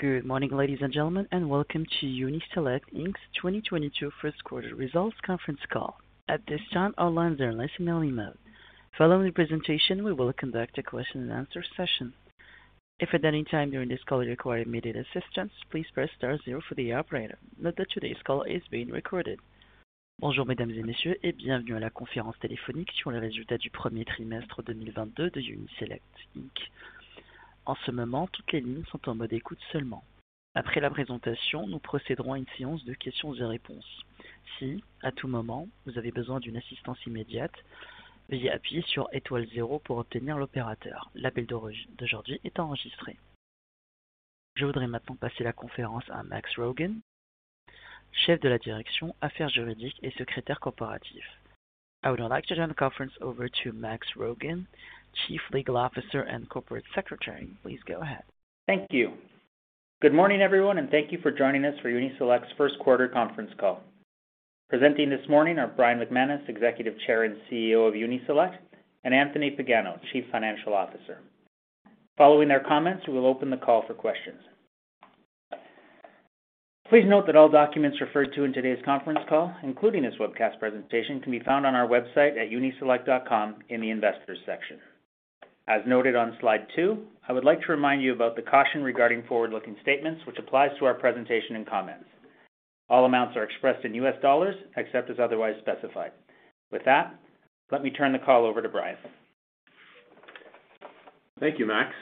Good morning, ladies and gentlemen, and welcome to Uni-Select Inc's 2022 first quarter results conference call. At this time, all lines are in listen-only mode. Following the presentation, we will conduct a question and answer session. If at any time during this call you require immediate assistance, please press star zero for the operator. Note that today's call is being recorded. Bonjour, mesdames et messieurs, et bienvenue à la conférence téléphonique sur les résultats du premier trimestre 2022 de Uni-Select Inc. En ce moment, toutes les lignes sont en mode écoute seulement. Après la présentation, nous procéderons à une séance de questions et réponses. Si, à tout moment, vous avez besoin d'une assistance immédiate, veuillez appuyer sur étoile zéro pour obtenir l'opérateur. L'appel d'aujourd'hui est enregistré. Je voudrais maintenant passer la conférence à Maxime Rogen, chef de la direction des affaires juridiques et secrétaire corporatif. I would now like to turn the conference over to Maxime Rogen, Chief Legal Officer and Corporate Secretary. Please go ahead. Thank you. Good morning, everyone, and thank you for joining us for Uni-Select's first quarter conference call. Presenting this morning are Brian McManus, Executive Chair and CEO of Uni-Select, and Anthony Pagano, Chief Financial Officer. Following their comments, we will open the call for questions. Please note that all documents referred to in today's conference call, including this webcast presentation, can be found on our website at uniselect.com in the Investors section. As noted on slide two, I would like to remind you about the caution regarding forward-looking statements, which applies to our presentation and comments. All amounts are expressed in U.S. dollars, except as otherwise specified. With that, let me turn the call over to Brian. Thank you, Max.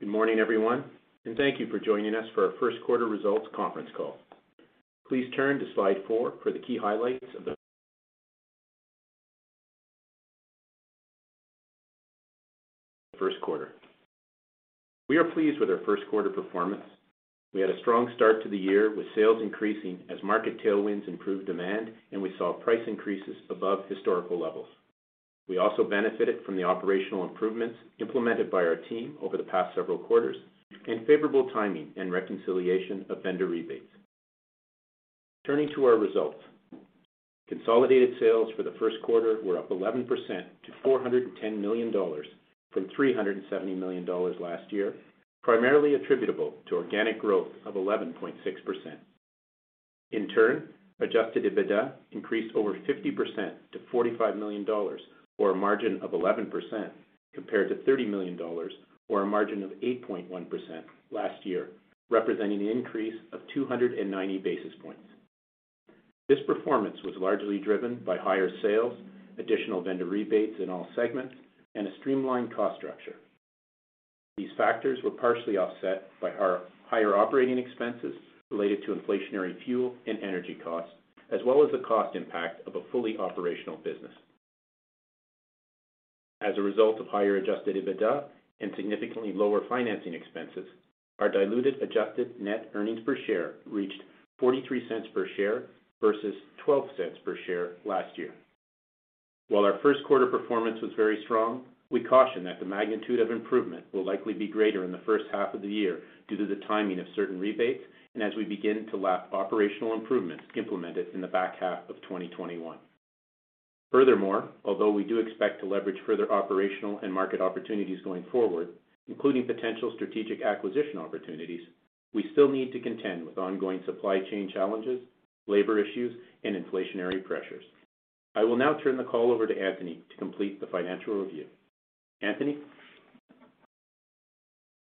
Good morning, everyone, and thank you for joining us for our first quarter results conference call. Please turn to slide four for the key highlights of the first quarter. We are pleased with our first quarter performance. We had a strong start to the year with sales increasing as market tailwinds improved demand, and we saw price increases above historical levels. We also benefited from the operational improvements implemented by our team over the past several quarters and favorable timing and reconciliation of vendor rebates. Turning to our results. Consolidated sales for the first quarter were up 11% to $410 million from $370 million last year, primarily attributable to organic growth of 11.6%. Adjusted EBITDA increased over 50% to 45 million dollars or a margin of 11% compared to 30 million dollars or a margin of 8.1% last year, representing an increase of 290 basis points. This performance was largely driven by higher sales, additional vendor rebates in all segments, and a streamlined cost structure. These factors were partially offset by our higher operating expenses related to inflationary fuel and energy costs, as well as the cost impact of a fully operational business. As a result of higher Adjusted EBITDA and significantly lower financing expenses, our diluted adjusted net earnings per share reached 0.43 per share versus 0.12 per share last year. While our first quarter performance was very strong, we caution that the magnitude of improvement will likely be greater in the first half of the year due to the timing of certain rebates and as we begin to lap operational improvements implemented in the back half of 2021. Furthermore, although we do expect to leverage further operational and market opportunities going forward, including potential strategic acquisition opportunities, we still need to contend with ongoing supply chain challenges, labor issues, and inflationary pressures. I will now turn the call over to Anthony to complete the financial review. Anthony.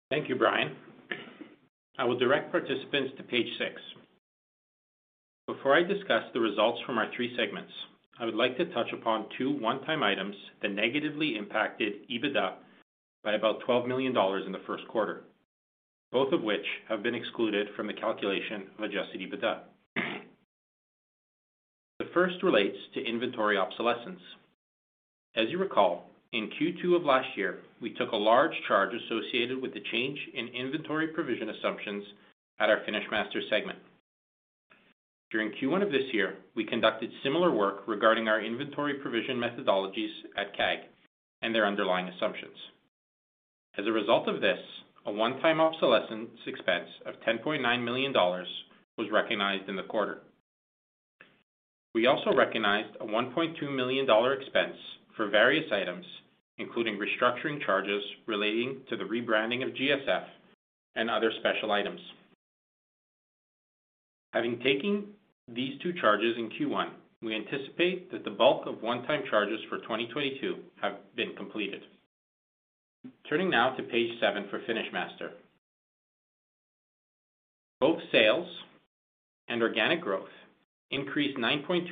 Thank you, Brian. I will direct participants to page six. Before I discuss the results from our three segments, I would like to touch upon two one-time items that negatively impacted EBITDA by about 12 million dollars in the first quarter, both of which have been excluded from the calculation of Adjusted EBITDA. The first relates to inventory obsolescence. As you recall, in Q2 of last year, we took a large charge associated with the change in inventory provision assumptions at our FinishMaster segment. During Q1 of this year, we conducted similar work regarding our inventory provision methodologies at CAG and their underlying assumptions. As a result of this, a one-time obsolescence expense of 10.9 million dollars was recognized in the quarter. We also recognized a 1.2 million dollar expense for various items, including restructuring charges relating to the rebranding of GSF and other special items. Having taken these two charges in Q1, we anticipate that the bulk of one-time charges for 2022 have been completed. Turning now to page seven for FinishMaster. Both sales and organic growth increased 9.2%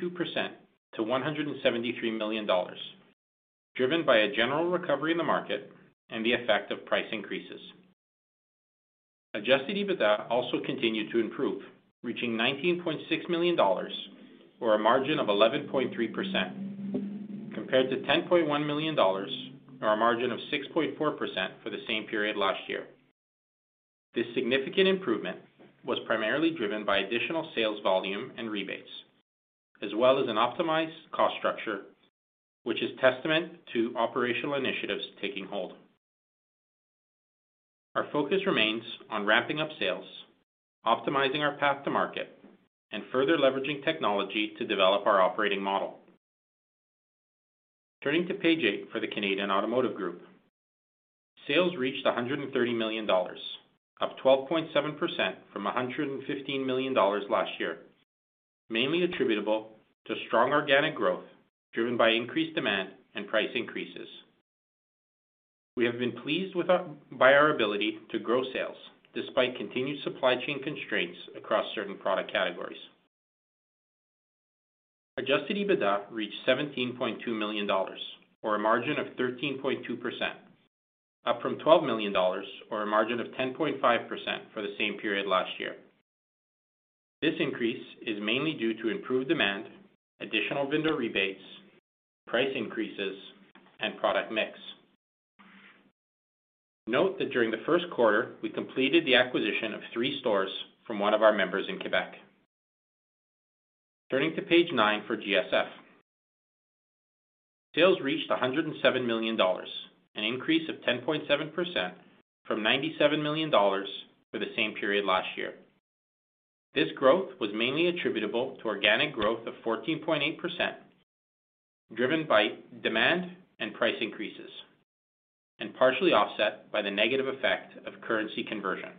to $173 million, driven by a general recovery in the market and the effect of price increases. Adjusted EBITDA also continued to improve, reaching $19.6 million or a margin of 11.3% compared to $10.1 million or a margin of 6.4% for the same period last year. This significant improvement was primarily driven by additional sales volume and rebates, as well as an optimized cost structure, which is testament to operational initiatives taking hold. Our focus remains on ramping up sales, optimizing our path to market, and further leveraging technology to develop our operating model. Turning to page eight for the Canadian Automotive Group. Sales reached $130 million, up 12.7% from $115 million last year, mainly attributable to strong organic growth driven by increased demand and price increases. We have been pleased by our ability to grow sales despite continued supply chain constraints across certain product categories. Adjusted EBITDA reached $17.2 million or a margin of 13.2%, up from $12 million or a margin of 10.5% for the same period last year. This increase is mainly due to improved demand, additional vendor rebates, price increases, and product mix. Note that during the first quarter, we completed the acquisition of three stores from one of our members in Quebec. Turning to page nine for GSF. Sales reached 107 million dollars, an increase of 10.7% from 97 million dollars for the same period last year. This growth was mainly attributable to organic growth of 14.8%, driven by demand and price increases, and partially offset by the negative effect of currency conversion.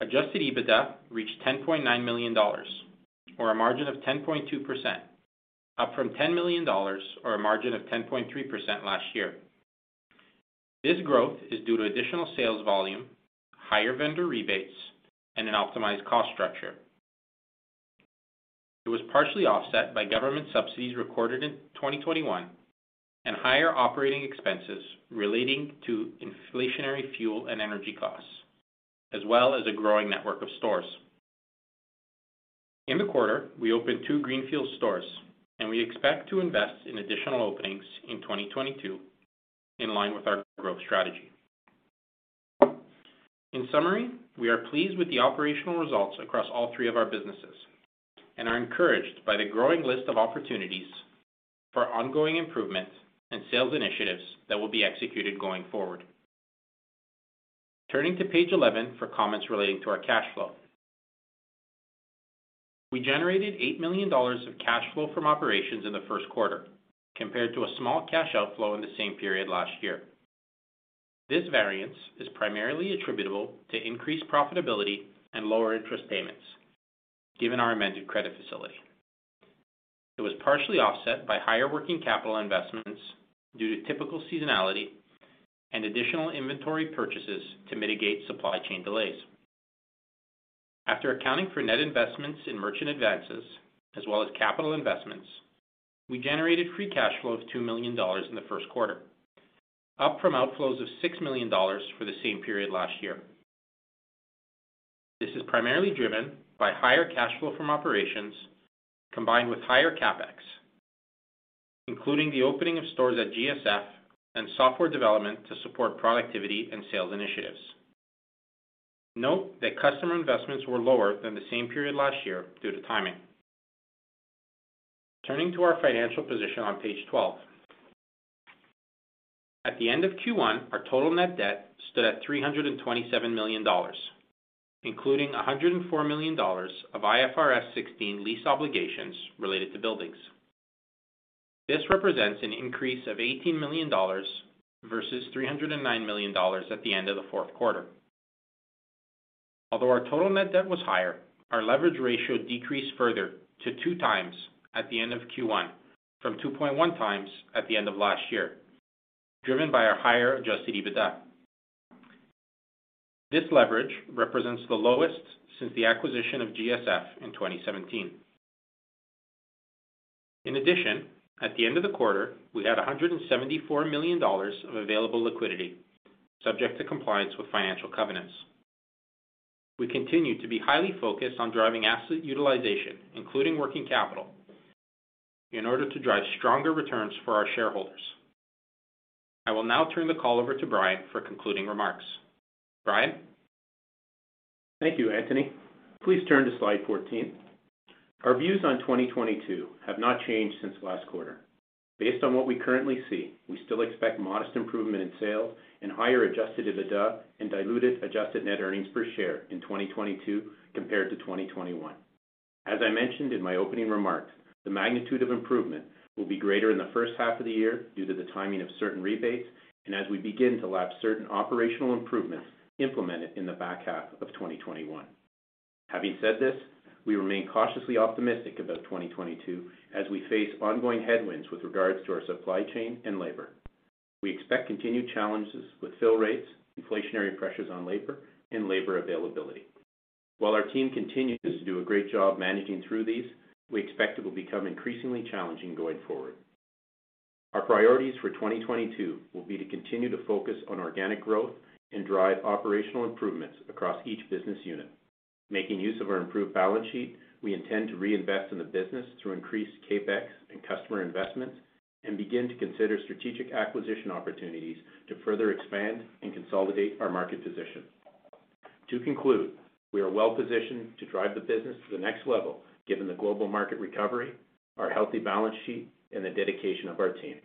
Adjusted EBITDA reached 10.9 million dollars or a margin of 10.2%, up from 10 million dollars or a margin of 10.3% last year. This growth is due to additional sales volume, higher vendor rebates, and an optimized cost structure. It was partially offset by government subsidies recorded in 2021 and higher operating expenses relating to inflationary fuel and energy costs, as well as a growing network of stores. In the quarter, we opened two greenfield stores, and we expect to invest in additional openings in 2022 in line with our growth strategy. In summary, we are pleased with the operational results across all three of our businesses and are encouraged by the growing list of opportunities for ongoing improvement and sales initiatives that will be executed going forward. Turning to page 11 for comments relating to our cash flow. We generated 8 million dollars of cash flow from operations in the first quarter, compared to a small cash outflow in the same period last year. This variance is primarily attributable to increased profitability and lower interest payments given our amended credit facility. It was partially offset by higher working capital investments due to typical seasonality and additional inventory purchases to mitigate supply chain delays. After accounting for net investments in merchant advances as well as capital investments, we generated free cash flow of 2 million dollars in the first quarter, up from outflows of 6 million dollars for the same period last year. This is primarily driven by higher cash flow from operations, combined with higher CapEx, including the opening of stores at GSF and software development to support productivity and sales initiatives. Note that customer investments were lower than the same period last year due to timing. Turning to our financial position on page 12. At the end of Q1, our total net debt stood at 327 million dollars, including 104 million dollars of IFRS 16 lease obligations related to buildings. This represents an increase of 18 million dollars versus 309 million dollars at the end of the fourth quarter. Although our total net debt was higher, our leverage ratio decreased further to 2x at the end of Q1 from 2.1x at the end of last year, driven by our higher adjusted EBITDA. This leverage represents the lowest since the acquisition of GSF in 2017. In addition, at the end of the quarter, we had 174 million dollars of available liquidity subject to compliance with financial covenants. We continue to be highly focused on driving asset utilization, including working capital, in order to drive stronger returns for our shareholders. I will now turn the call over to Brian for concluding remarks. Brian? Thank you, Anthony. Please turn to slide 14. Our views on 2022 have not changed since last quarter. Based on what we currently see, we still expect modest improvement in sales and higher Adjusted EBITDA and diluted adjusted net earnings per share in 2022 compared to 2021. As I mentioned in my opening remarks, the magnitude of improvement will be greater in the first half of the year due to the timing of certain rebates and as we begin to lap certain operational improvements implemented in the back half of 2021. Having said this, we remain cautiously optimistic about 2022 as we face ongoing headwinds with regards to our supply chain and labor. We expect continued challenges with fill rates, inflationary pressures on labor and labor availability. While our team continues to do a great job managing through these, we expect it will become increasingly challenging going forward. Our priorities for 2022 will be to continue to focus on organic growth and drive operational improvements across each business unit. Making use of our improved balance sheet, we intend to reinvest in the business through increased CapEx and customer investments and begin to consider strategic acquisition opportunities to further expand and consolidate our market position. To conclude, we are well positioned to drive the business to the next level given the global market recovery, our healthy balance sheet, and the dedication of our team.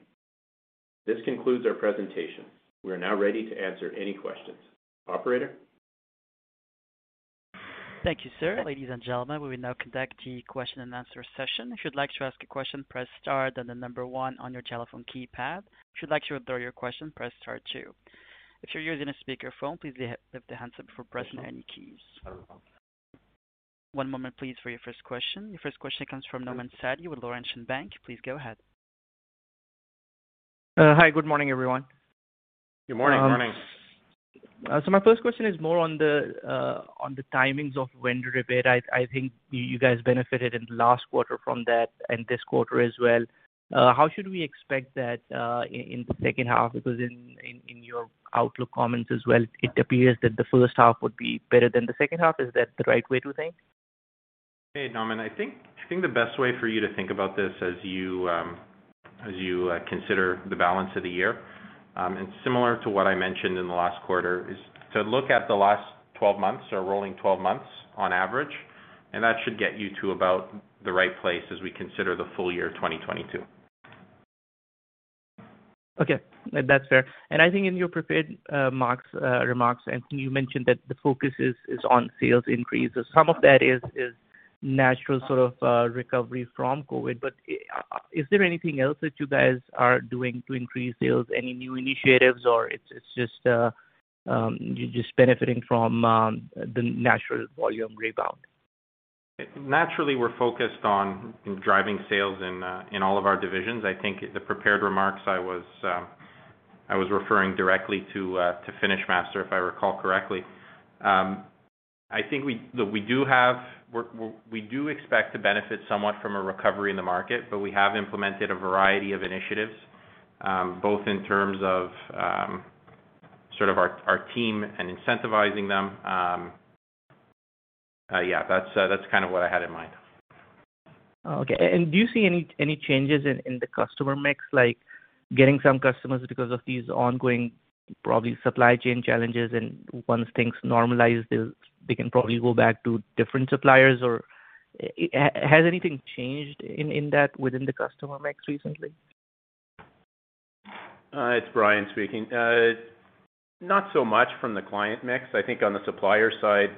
This concludes our presentation. We are now ready to answer any questions. Operator? Thank you, sir. Ladies and gentlemen, we will now conduct the question and answer session. If you'd like to ask a question, press star then the number one on your telephone keypad. If you'd like to withdraw your question, press star two. If you're using a speakerphone, please lift the handset before pressing any keys. One moment please, for your first question. Your first question comes from Nauman Satti with Laurentian Bank Securities. Please go ahead. Hi, good morning, everyone. Good morning. Good morning. My first question is more on the timings of when to rebate. I think you guys benefited in the last quarter from that and this quarter as well. How should we expect that in the second half? Because in your outlook comments as well, it appears that the first half would be better than the second half. Is that the right way to think? Hey, Nauman. I think the best way for you to think about this as you consider the balance of the year, and similar to what I mentioned in the last quarter, is to look at the last 12 months or rolling 12 months on average, and that should get you to about the right place as we consider the full year of 2022. Okay. That's fair. I think in your prepared remarks, Anthony, you mentioned that the focus is on sales increases. Some of that is natural sort of recovery from COVID, but is there anything else that you guys are doing to increase sales? Any new initiatives, or it's just you're just benefiting from the natural volume rebound? Naturally, we're focused on driving sales in all of our divisions. I think the prepared remarks, I was referring directly to FinishMaster, if I recall correctly. I think we do expect to benefit somewhat from a recovery in the market, but we have implemented a variety of initiatives, both in terms of sort of our team and incentivizing them. That's kind of what I had in mind. Okay. Do you see any changes in the customer mix, like getting some customers because of these ongoing, probably supply chain challenges, and once things normalize, they can probably go back to different suppliers or has anything changed in that within the customer mix recently? It's Brian speaking. Not so much from the client mix. I think on the supplier side,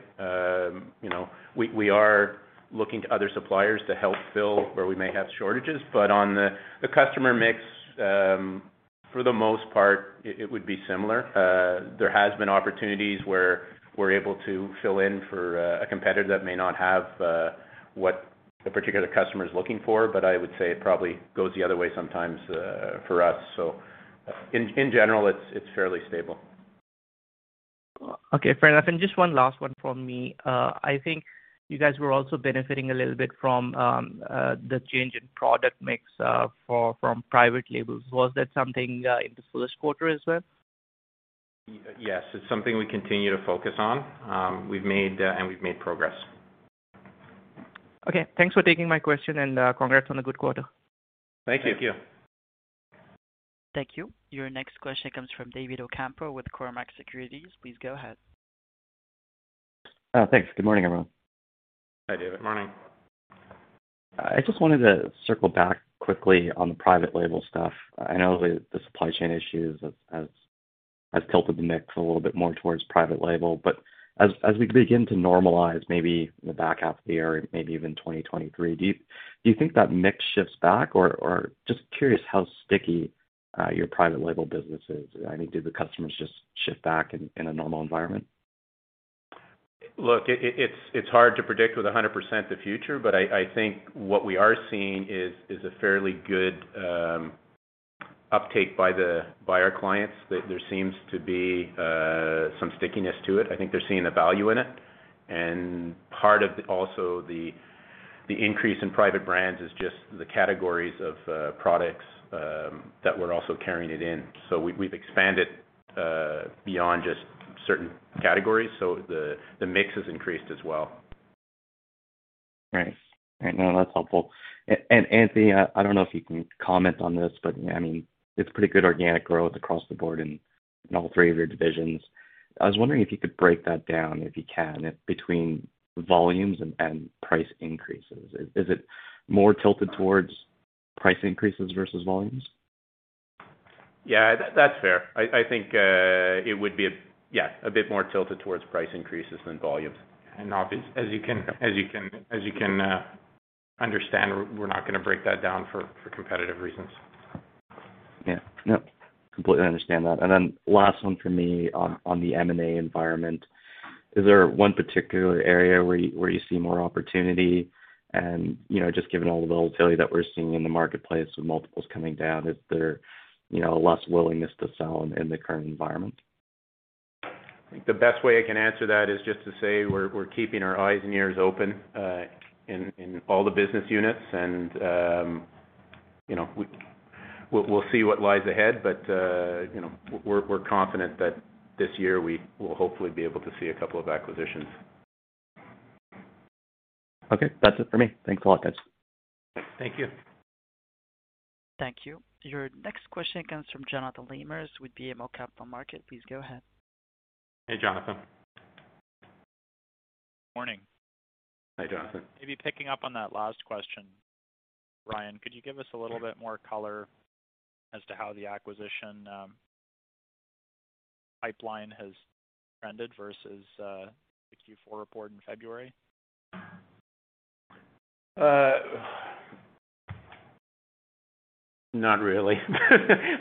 you know, we are looking to other suppliers to help fill where we may have shortages. On the customer mix, for the most part, it would be similar. There has been opportunities where we're able to fill in for a competitor that may not have what a particular customer is looking for, but I would say it probably goes the other way sometimes for us. In general, it's fairly stable. Okay, fair enough. Just one last one from me. I think you guys were also benefiting a little bit from the change in product mix from private labels. Was that something in this first quarter as well? Yes. It's something we continue to focus on. We've made progress. Okay. Thanks for taking my question, and congrats on a good quarter. Thank you. Thank you. Thank you. Your next question comes from David Ocampo with Cormark Securities. Please go ahead. Thanks. Good morning, everyone. Hi, David. Morning. I just wanted to circle back quickly on the private label stuff. I know the supply chain issues has tilted the mix a little bit more towards private label. As we begin to normalize maybe in the back half of the year, and maybe even 2023, do you think that mix shifts back or just curious how sticky your private label business is? I mean, do the customers just shift back in a normal environment? Look, it's hard to predict with 100% the future, but I think what we are seeing is a fairly good uptake by our clients. There seems to be some stickiness to it. I think they're seeing the value in it. Part of also the increase in private brands is just the categories of products that we're also carrying it in. We've expanded beyond just certain categories, so the mix has increased as well. Right. No, that's helpful. Anthony, I don't know if you can comment on this, but I mean, it's pretty good organic growth across the board in all three of your divisions. I was wondering if you could break that down, if you can, between volumes and price increases. Is it more tilted towards price increases versus volumes? Yeah, that's fair. I think it would be, yeah, a bit more tilted towards price increases than volumes. As you can understand, we're not gonna break that down for competitive reasons. Yeah. No, completely understand that. Last one for me on the M&A environment. Is there one particular area where you see more opportunity and, you know, just given all the volatility that we're seeing in the marketplace with multiples coming down, is there, you know, less willingness to sell in the current environment? I think the best way I can answer that is just to say we're keeping our eyes and ears open in all the business units and you know we'll see what lies ahead. You know we're confident that this year we will hopefully be able to see a couple of acquisitions. Okay. That's it for me. Thanks a lot, guys. Thank you. Thank you. Your next question comes from Jonathan Lamers with BMO Capital Markets. Please go ahead. Hey, Jonathan. Morning. Hi, Jonathan. Maybe picking up on that last question. Brian, could you give us a little bit more color as to how the acquisition? Pipeline has trended versus the Q4 report in February? Not really.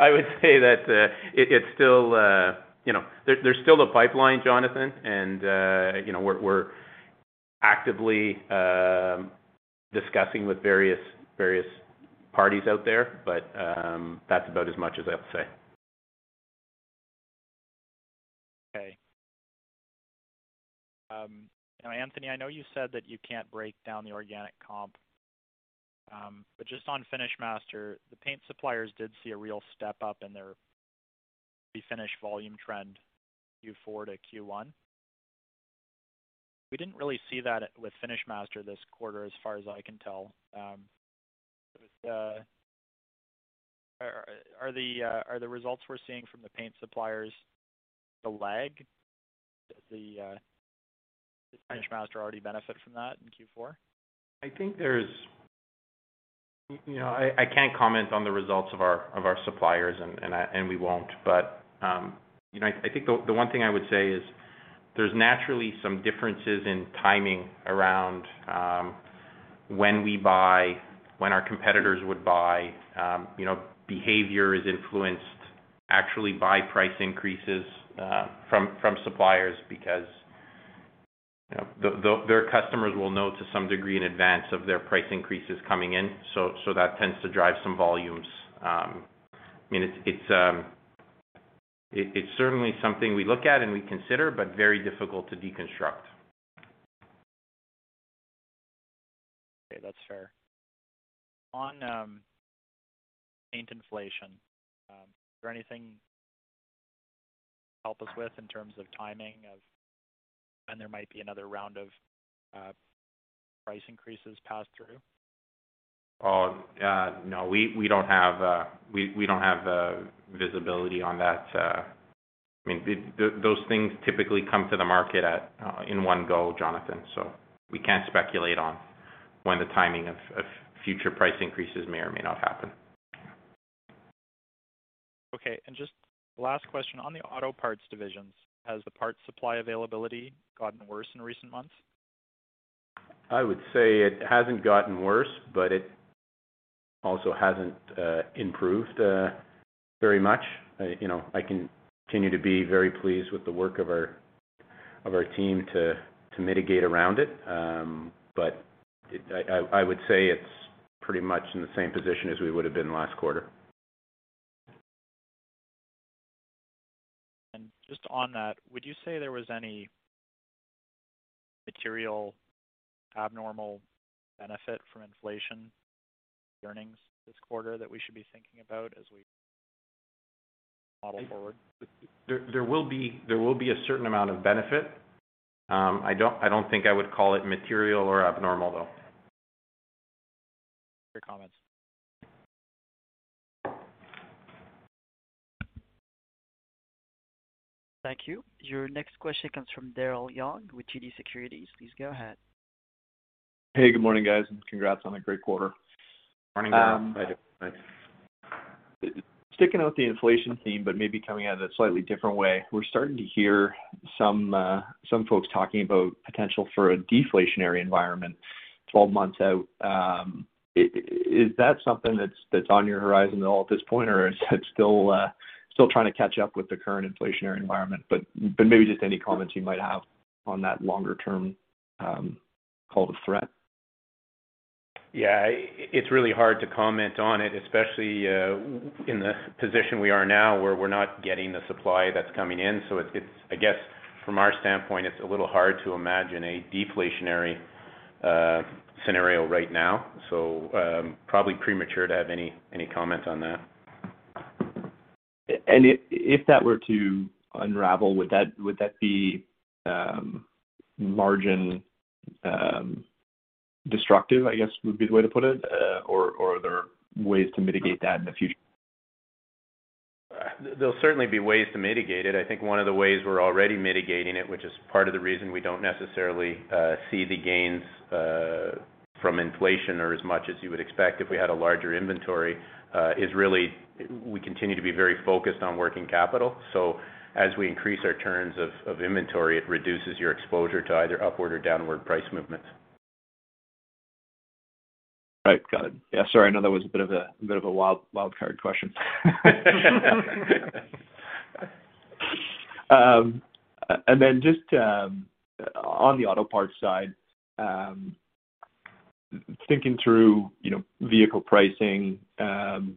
I would say that it's still you know, there's still a pipeline, Jonathan, and you know, we're actively discussing with various parties out there. That's about as much as I'll say. Okay. Now, Anthony, I know you said that you can't break down the organic comp, but just on FinishMaster, the paint suppliers did see a real step-up in their refinish volume trend Q4 to Q1. We didn't really see that with FinishMaster this quarter, as far as I can tell. Are the results we're seeing from the paint suppliers the lag that FinishMaster already benefit from that in Q4? I think there's you know, I can't comment on the results of our suppliers and we won't. You know, I think the one thing I would say is there's naturally some differences in timing around when we buy, when our competitors would buy. You know, behavior is influenced actually by price increases from suppliers because you know, their customers will know to some degree in advance of their price increases coming in. That tends to drive some volumes. I mean, it's certainly something we look at and we consider, but very difficult to deconstruct. Okay. That's fair. On paint inflation, is there anything to help us with in terms of timing of when there might be another round of price increases passed through? No. We don't have visibility on that. I mean, those things typically come to the market all in one go, Jonathan, so we can't speculate on when the timing of future price increases may or may not happen. Okay. Just last question. On the auto parts divisions, has the parts supply availability gotten worse in recent months? I would say it hasn't gotten worse, but it also hasn't improved very much. You know, I continue to be very pleased with the work of our team to mitigate around it. I would say it's pretty much in the same position as we would have been last quarter. Just on that, would you say there was any material abnormal benefit from inflation earnings this quarter that we should be thinking about as we model forward? There will be a certain amount of benefit. I don't think I would call it material or abnormal though. Great comments. Thank you. Your next question comes from Daryl Young with TD Securities. Please go ahead. Hey, good morning, guys, and congrats on a great quarter. Morning, Daryl. Hi. Sticking with the inflation theme, but maybe coming at it a slightly different way, we're starting to hear some folks talking about potential for a deflationary environment 12 months out. Is that something that's on your horizon at all at this point, or is it still trying to catch up with the current inflationary environment? Maybe just any comments you might have on that longer term called a threat. Yeah. It's really hard to comment on it, especially in the position we are now where we're not getting the supply that's coming in. I guess from our standpoint, it's a little hard to imagine a deflationary scenario right now. Probably premature to have any comment on that. If that were to unravel, would that be margin destructive, I guess, would be the way to put it? Are there ways to mitigate that in the future? There'll certainly be ways to mitigate it. I think one of the ways we're already mitigating it, which is part of the reason we don't necessarily see the gains from inflation or as much as you would expect if we had a larger inventory, is really we continue to be very focused on working capital. As we increase our terms of inventory, it reduces your exposure to either upward or downward price movements. Right. Got it. Yeah, sorry. I know that was a bit of a wild card question. And then just, on the auto parts side, thinking through, you know, vehicle pricing,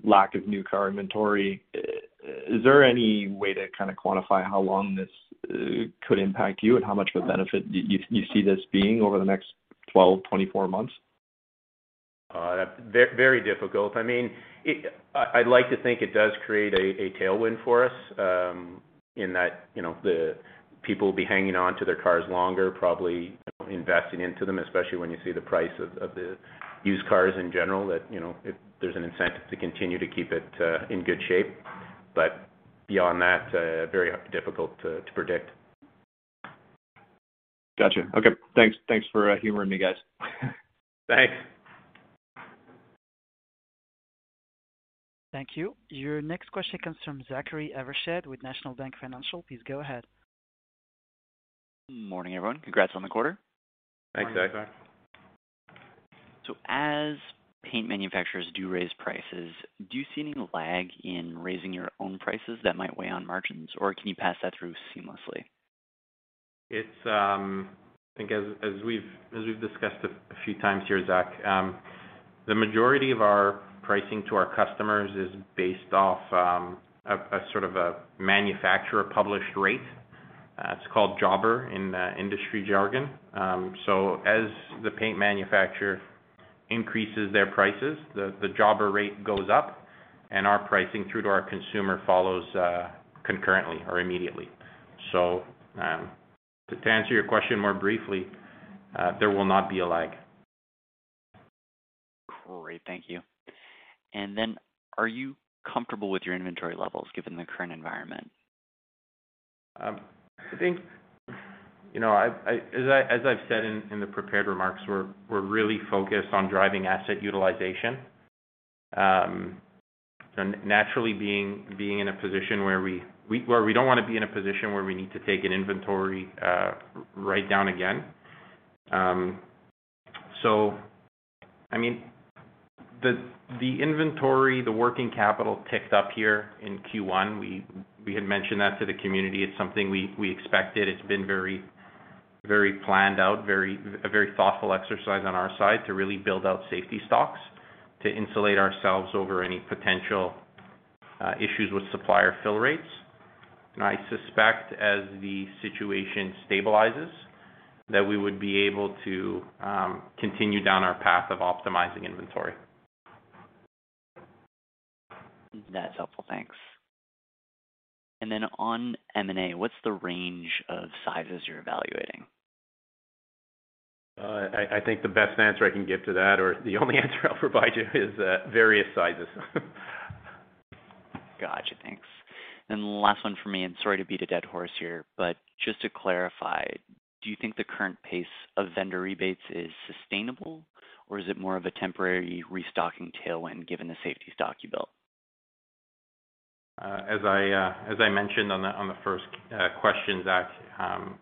lack of new car inventory, is there any way to kinda quantify how long this could impact you and how much of a benefit you see this being over the next 12, 24 months? Very difficult. I mean, I'd like to think it does create a tailwind for us, in that, you know, the people will be hanging on to their cars longer, probably, you know, investing into them, especially when you see the price of the used cars in general, you know, there's an incentive to continue to keep it in good shape. Beyond that, very difficult to predict. Gotcha. Okay. Thanks for humoring me, guys. Thanks. Thank you. Your next question comes from Zachary Evershed with National Bank Financial. Please go ahead. Morning, everyone. Congrats on the quarter. Thanks, Zach. Morning, Zach. As paint manufacturers do raise prices, do you see any lag in raising your own prices that might weigh on margins, or can you pass that through seamlessly? I think as we've discussed a few times here, Zach, the majority of our pricing to our customers is based off a sort of a manufacturer published rate. It's called jobber in industry jargon. As the paint manufacturer increases their prices, the jobber rate goes up and our pricing through to our consumer follows concurrently or immediately. To answer your question more briefly, there will not be a lag. Great. Thank you. Are you comfortable with your inventory levels given the current environment? I think, you know, as I've said in the prepared remarks, we're really focused on driving asset utilization. So naturally, being in a position where we don't wanna be in a position where we need to take an inventory write down again. So I mean, the inventory, the working capital ticked up here in Q1. We had mentioned that to the community. It's something we expected. It's been very planned out, a very thoughtful exercise on our side to really build out safety stock to insulate ourselves over any potential issues with supplier fill rates. I suspect as the situation stabilizes, that we would be able to continue down our path of optimizing inventory. That's helpful. Thanks. On M&A, what's the range of sizes you're evaluating? I think the best answer I can give to that or the only answer I'll provide you is various sizes. Gotcha. Thanks. Last one for me, and sorry to beat a dead horse here, but just to clarify, do you think the current pace of vendor rebates is sustainable, or is it more of a temporary restocking tailwind given the safety stock you built? As I mentioned on the first question, Zach,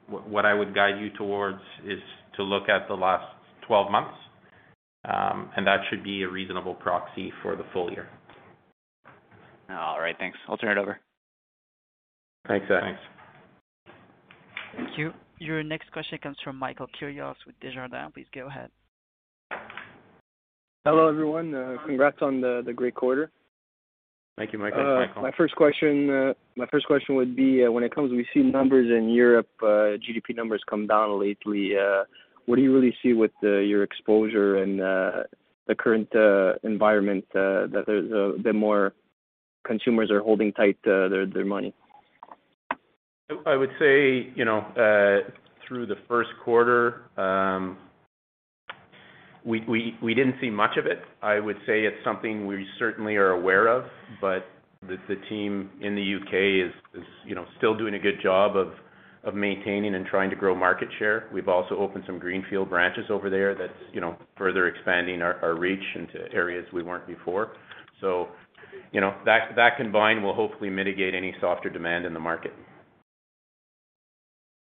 what I would guide you towards is to look at the last 12 months, and that should be a reasonable proxy for the full year. All right, thanks. I'll turn it over. Thanks, Zach. Thank you. Your next question comes from Michael Doumet with Desjardins. Please go ahead. Hello, everyone. Congrats on the great quarter. Thank you, Michael. My first question would be, when it comes we see numbers in Europe, GDP numbers come down lately. What do you really see with your exposure and the current environment, the more consumers are holding tight their money? I would say, you know, through the first quarter, we didn't see much of it. I would say it's something we certainly are aware of, but the team in the U.K. is, you know, still doing a good job of maintaining and trying to grow market share. We've also opened some greenfield branches over there that's, you know, further expanding our reach into areas we weren't before. You know, that combined will hopefully mitigate any softer demand in the market.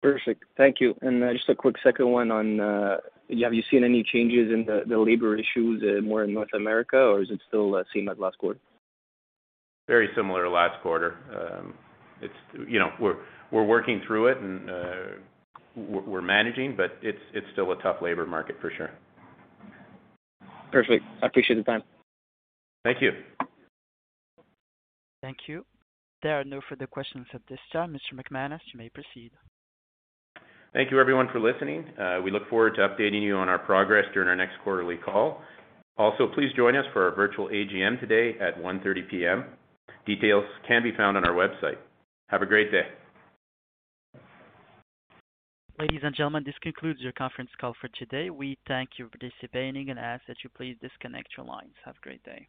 Perfect. Thank you. Just a quick second one on, have you seen any changes in the labor issues more in North America, or is it still same as last quarter? Very similar to last quarter. It's you know, we're working through it and we're managing, but it's still a tough labor market for sure. Perfect. I appreciate the time. Thank you. Thank you. There are no further questions at this time. Mr. McManus, you may proceed. Thank you everyone for listening. We look forward to updating you on our progress during our next quarterly call. Also, please join us for our virtual AGM today at 1:30 P.M. Details can be found on our website. Have a great day. Ladies and gentlemen, this concludes your conference call for today. We thank you for participating and ask that you please disconnect your lines. Have a great day.